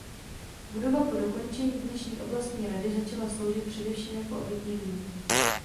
Budova po dokončení dnešní Oblastní rady začala sloužit především jako obytný dům.